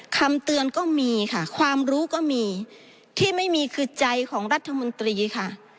คำเตือนก็มีค่ะความรู้ก็มีที่ไม่มีคือใจของรัฐมนตรีค่ะ